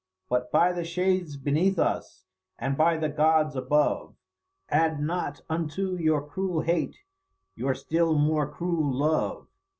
But by the shades beneath us, and by the gods above, Add not unto your cruel hate your still more cruel love.